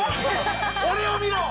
俺を見ろ！